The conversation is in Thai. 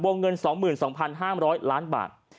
เงิน๒๒๕๐๐ล้านบาท